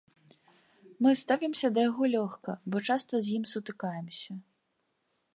Мы ставімся да яго лёгка, бо часта з ім сутыкаемся.